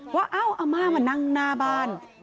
ว่าเอ้าอาม่ามานั่งหน้าบ้าน